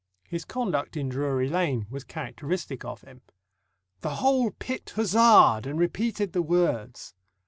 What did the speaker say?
His conduct in Drury Lane was characteristic of him: The whole pit huzzaed, and repeated the words.